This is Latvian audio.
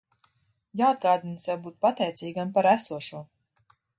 Jāatgādina sev būt pateicīgam par esošo!